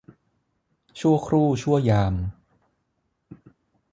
ชั่วครู่ชั่วยาม